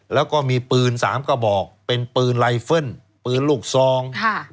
แล้วก็มีปืน๓กระบอกเป็นปืนไลเฟิลปืนลูกซอง